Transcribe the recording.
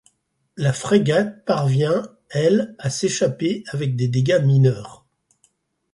La frégate parvient, elle, à s'échapper avec des dégâts mineurs.